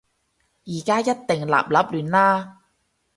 而家一定立立亂啦